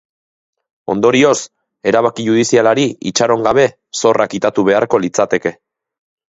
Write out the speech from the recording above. Ondorioz, erabaki judizialari itxaron gabe zorra kitatu beharko litzateke.